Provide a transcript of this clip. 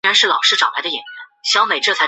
粉丝名为甜酒。